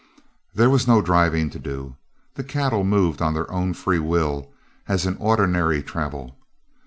There was no driving to do; the cattle moved of their own free will as in ordinary travel.